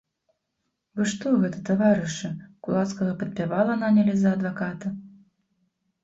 Вы што гэта, таварышы, кулацкага падпявала нанялі за адваката?